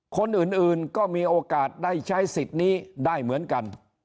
คนอื่นก็มีโอกาสได้ใช้สิทธิ์นี้ได้เหมือนกัน